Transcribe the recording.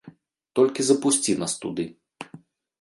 Толькі запусці нас туды!